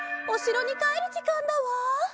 おしろにかえるじかんだわ。